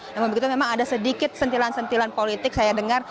namun begitu memang ada sedikit sentilan sentilan politik saya dengar